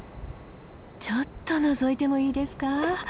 ちょっとのぞいてもいいですか？